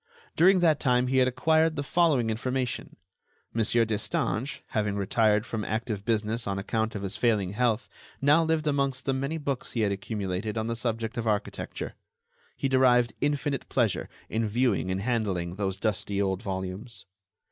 During that time he had acquired the following information: Mon. Destange, having retired from active business on account of his failing health, now lived amongst the many books he had accumulated on the subject of architecture. He derived infinite pleasure in viewing and handling those dusty old volumes.